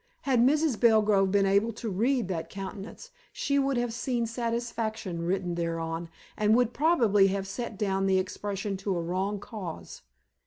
Had Mrs. Belgrove been able to read that countenance she would have seen satisfaction written thereon, and would probably have set down the expression to a wrong cause.